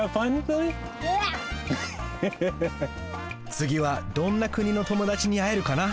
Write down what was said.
つぎはどんなくにのともだちにあえるかな？